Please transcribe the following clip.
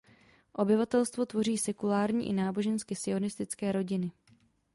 Obyvatelstvo tvoří sekulární i nábožensky sionistické rodiny.